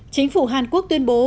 chính phủ hàn quốc tuyên bố